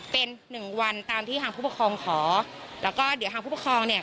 เป็นหนึ่งวันตามที่ทางผู้ปกครองขอแล้วก็เดี๋ยวทางผู้ปกครองเนี่ย